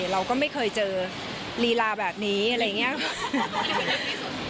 เราก็ไม่เคยเจอลีลาแบบนี้อะไรอย่างนี้